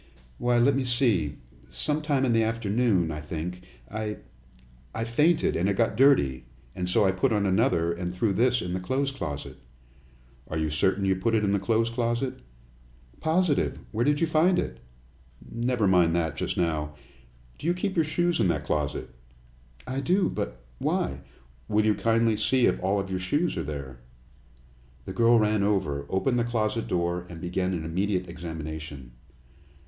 "Why, let me see. Some time in the afternoon, I think. I I fainted, and it got dirty, and so I put on another and threw this in the clothes closet." "Are you certain you put it in the clothes closet?" "Positive. Where did you find it?" "Never mind that just now. Do you keep your shoes in that closet?" "I do. But why " "Will you kindly see if all of your shoes are there?" The girl ran over, opened the closet door, and began an immediate examination.